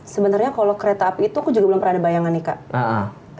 sebenarnya kalau kereta api itu aku juga belum pernah bayangan nih kak